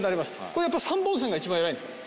これやっぱ３本線が一番偉いんですか？